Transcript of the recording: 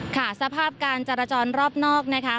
ค่ะสภาพการจราจรรอบนอกนะคะ